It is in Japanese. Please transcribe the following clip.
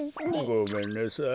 ごめんなさい。